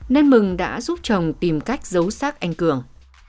nên mừng đã giúp chồng tìm cách giấu xác anh cường